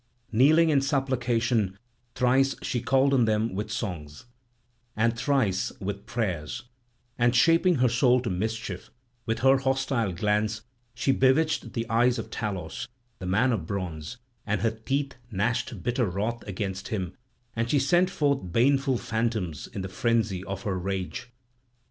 Kneeling in supplication, thrice she called on them with songs, and thrice with prayers; and, shaping her soul to mischief, with her hostile glance she bewitched the eyes of Talos, the man of bronze; and her teeth gnashed bitter wrath against him, and she sent forth baneful phantoms in the frenzy of her rage.